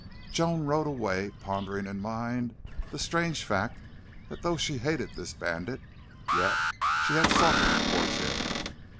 Joan rode away, pondering in mind the strange fact that though she hated this bandit, yet she had softened toward him.